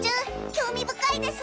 興味深いです。